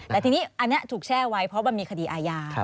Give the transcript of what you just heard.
แต่ทีนี้อันนี้ถูกแช่ไว้เพราะมันมีคดีอาญา